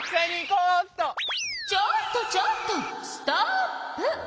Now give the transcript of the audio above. ちょっとちょっとストップ！